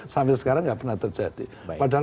sampai sekarang nggak pernah terjadi padahal